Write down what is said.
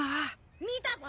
見たぞ！